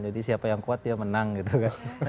jadi siapa yang kuat dia menang gitu kan